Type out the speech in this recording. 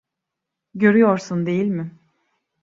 Görüyorsun, değil mi?